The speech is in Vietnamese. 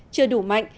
chưa đủ mạnh